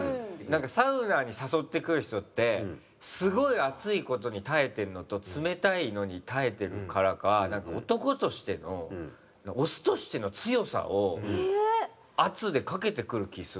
なんかサウナに誘ってくる人ってすごい熱い事に耐えてるのと冷たいのに耐えてるからか男としての雄としての強さを圧でかけてくる気ぃするんだよ。